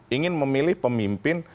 ingin memilih pemimpin